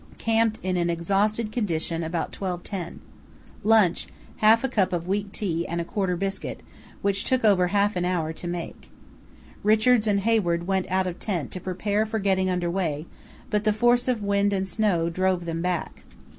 Camped in an exhausted condition about 12.10. Lunch, half cup of weak tea and quarter biscuit, which took over half an hour to make. Richards and Hayward went out of tent to prepare for getting under way, but the force of wind and snow drove them back.